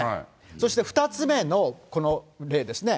そして２つ目のこの例ですね、